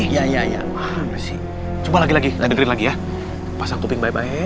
ya ya ya coba lagi lagi lagi ya pasang tuping baik baik